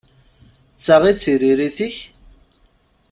D ta i d tiririt-ik?